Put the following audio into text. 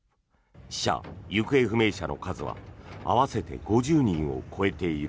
死者・行方不明者の数は合わせて５０人を超えている。